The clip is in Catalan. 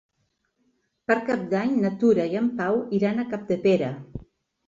Per Cap d'Any na Tura i en Pau iran a Capdepera.